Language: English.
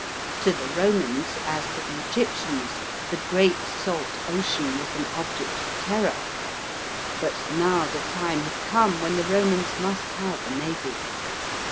To the Romans, as to the Egyptians, the great salt ocean, was an object of terror. But now the time had come, when the Romans* must have a navy.